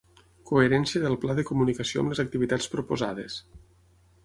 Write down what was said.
Coherència del pla de comunicació amb les activitats proposades.